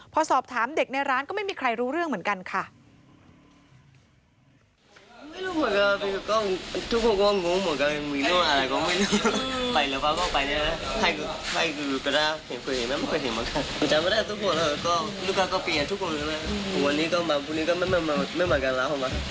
พอสอบถามเด็กในร้านก็ไม่มีใครรู้เรื่องเหมือนกันค่ะ